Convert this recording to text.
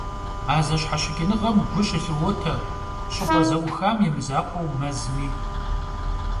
A zeşheşıç'ınığem gu şılhote ş'ıp'e ze'uxam yi mızakhueu, mezmi.